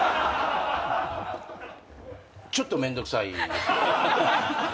ちょっとめんどくさい。